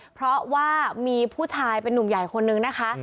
เพราะว่ามีผู้ชายเป็นนุ่มใหญ่คนนึงนะคะ